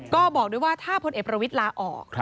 ก็บอกด้วยว่าถ้าพลเอกประวิทย์ลาออก